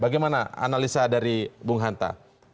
bagaimana analisa dari bung hanta